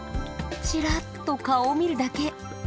チラッと顔を見るだけ。